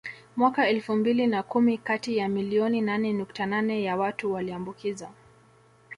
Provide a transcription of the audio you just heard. Mwaka elfu mbili na kumi kati ya milioni nane nukta nane ya watu waliambukizwa